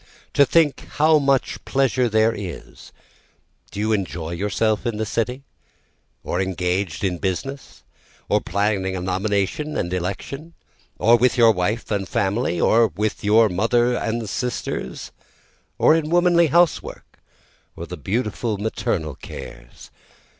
To think how much pleasure there is, Do you enjoy yourself in the city? or engaged in business? or planning a nomination and election? or with your wife and family? Or with your mother and sisters? or in womanly housework? or the beautiful maternal cares?